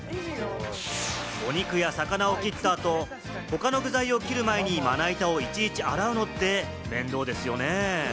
お肉や魚を切った後、他の具材を切る前にまな板をいちいち洗うのって面倒ですよね。